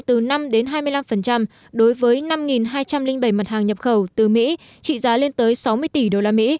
từ năm hai mươi năm đối với năm hai trăm linh bảy mặt hàng nhập khẩu từ mỹ trị giá lên tới sáu mươi tỷ usd